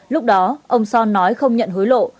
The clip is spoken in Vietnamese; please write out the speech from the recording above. lúc đó ông son nói không nhận hối lộ